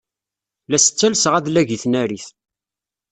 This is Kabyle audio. La as-ttalseɣ adlag i tnarit.